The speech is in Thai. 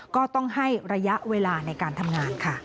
ก็ต้องให้ระยะเวลาในการทำงานค่ะ